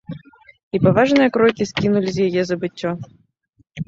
І паважныя крокі скінулі з яе забыццё.